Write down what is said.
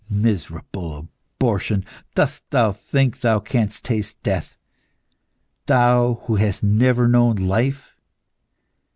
Miserable abortion, dost thou think thou canst taste death, thou who hast never known life?